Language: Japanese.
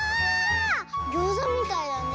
ギョーザみたいだね。